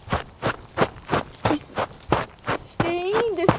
キスしていいんですか？